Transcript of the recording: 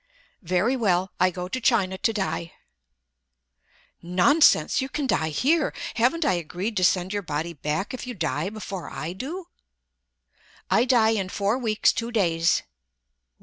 "Very well, I go to China to die!" "Nonsense! You can die here. Haven't I agreed to send your body back if you die before I do?" "I die in four weeks, two days!"